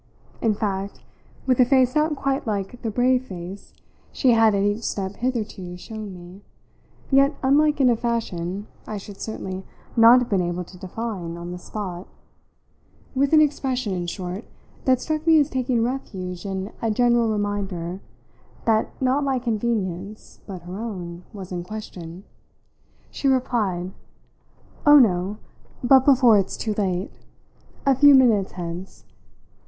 In fact, with a face not quite like the brave face she had at each step hitherto shown me, yet unlike in a fashion I should certainly not have been able to define on the spot; with an expression, in short, that struck me as taking refuge in a general reminder that not my convenience, but her own, was in question, she replied: "Oh, no but before it's too late. A few minutes hence.